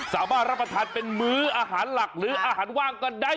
รับประทานเป็นมื้ออาหารหลักหรืออาหารว่างก็ได้